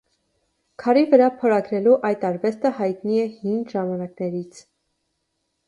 Քարի վրա փորագրելու այդ արվեստը հայտնի է հին ժամանակներից։